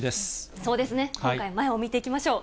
そうですね、今回、前を見ていきましょう。